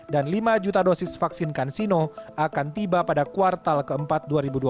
dan lima juta dosis vaksin kansino akan tiba pada kuartal keempat dua ribu dua puluh satu